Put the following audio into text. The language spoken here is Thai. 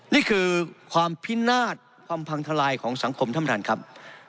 นี่คือความพินาศความพังทลายของสังคมท่านประธานครับ